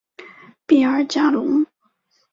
比尔加龙。